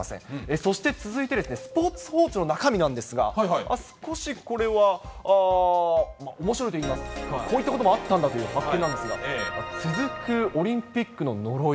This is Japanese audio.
そして続いて、スポーツ報知の中身なんですが、少しこれはおもしろいといいますか、こういったこともあったんだというかってなんですが、続くオリンピックの呪い。